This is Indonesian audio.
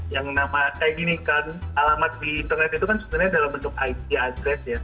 yang nama kayak gini kan alamat di internet itu kan sebenarnya dalam bentuk it address ya